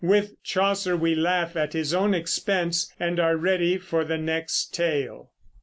With Chaucer we laugh at his own expense, and are ready for the next tale.